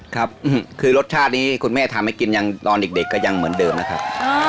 ครับคือรสชาตินี้คุณแม่ทำให้กินยังตอนเด็กก็ยังเหมือนเดิมนะครับ